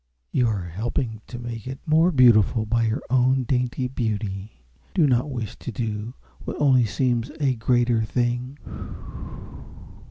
You are helping to make it more beautiful by your own dainty beauty. Do not wish to do what only seems a greater thing."